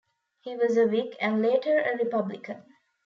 He was a Whig and later a Republican.